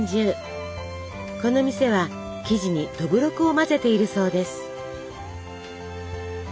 この店は生地にどぶろくを混ぜているそうです。